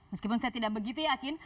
meskipun saya tidak begitu yakin